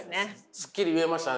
すっきり言えましたね。